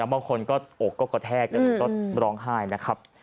บางคนก็อกก็กระแทกร้องไห้นะครับ